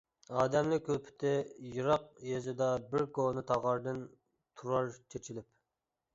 ئادەملىك كۈلپىتى يىراق يېزىدا بىر كونا تاغاردىن تۇرار چېچىلىپ.